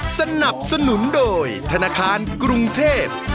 สนับสนุนโดยธนาคารกรุงเทพ